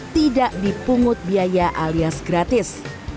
tidak dipungut biaya alias gratis